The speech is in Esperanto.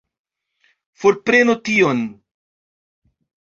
Forprenu tion!